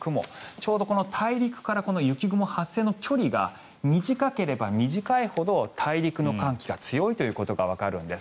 ちょうど大陸から雪雲発生の距離が短ければ短いほど大陸の寒気が強いということがわかるんです。